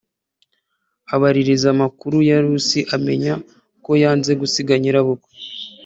abaririza amakuru ya Rusi amenya ko yanze gusiga nyirabukwe